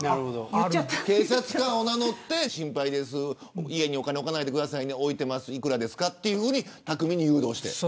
警察官を名乗って家にお金を置かないでくださいね置いてます、幾らですかと巧みに誘導して。